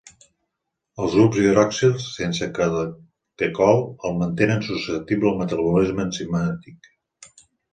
Els grups hidroxils sense catecol el mantenen susceptible al metabolisme enzimàtic.